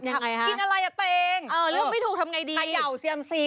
ยังไงฮะอ๋อเลือกไม่ถูกทำอย่างไรดีเตรียมอะไรอ่ะเตรง